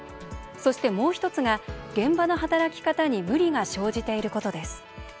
そしてもう１つが現場の働き方に無理が生じていることです。